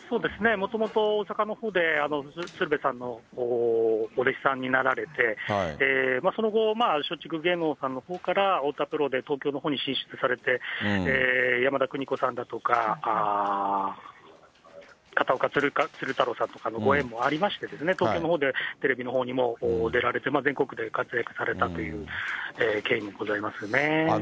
もともと大阪のほうで鶴瓶さんのお弟子さんになられて、その後、松竹芸能さんのほうから太田プロで、東京のほうに進出されて、山田邦子さんだとか、片岡鶴太郎さんとかのご縁もありまして、東京のほうで、テレビのほうにも出られて、全国区で活躍されたという経緯もございますね。